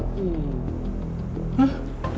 ป๊าคนขวาหลาดก็ดวงดีเลยวะ